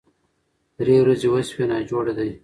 درې ورځې وشوې ناجوړه دی